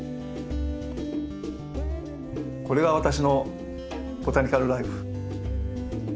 これが私の「ボタニカル・らいふ」。